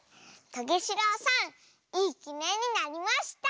トゲしろうさんいいきねんになりました！